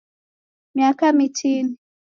Miaka mitini